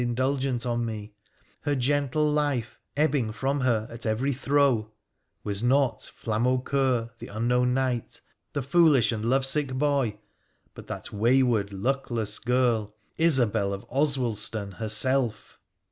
indulgent on me, her gentle life ebbing from her at every PHRA THE PHCENlClAtT 213 throe, was not Flamaucoeur, the unknown knight, the foolish and love sick boy, but that wayward, luckless girl Isobel of Oswaldston herself